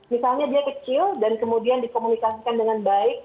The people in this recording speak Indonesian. misalnya dia kecil dan kemudian dikomunikasikan dengan baik